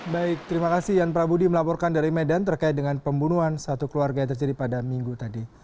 baik terima kasih yan prabudi melaporkan dari medan terkait dengan pembunuhan satu keluarga yang terjadi pada minggu tadi